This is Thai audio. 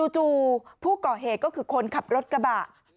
จู่ผู้ก่อเหตุก็คือคนขับรถกระบะ